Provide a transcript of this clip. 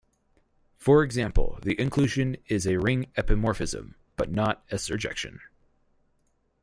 For example, the inclusion is a ring epimorphism, but not a surjection.